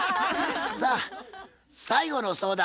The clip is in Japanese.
さあ最後の相談です。